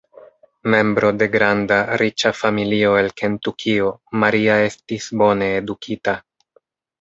Membro de granda, riĉa familio el Kentukio, Maria estis bone edukita.